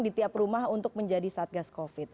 di tiap rumah untuk menjadi satgas covid